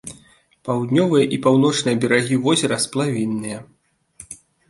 Паўднёвыя і паўночныя берагі возера сплавінныя.